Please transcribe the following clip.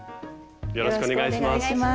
よろしくお願いします。